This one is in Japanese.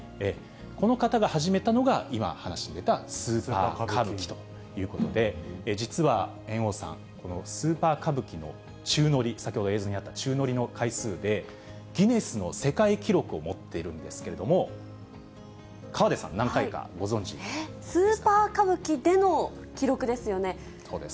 この方が始めたのが、今、話に出たスーパー歌舞伎ということで、実は、猿翁さん、このスーパー歌舞伎の宙乗り、先ほど映像にあった宙乗りの回数で、ギネスの世界記録を持っているんですけれども、河出さん、スーパー歌舞伎での記録ですそうです。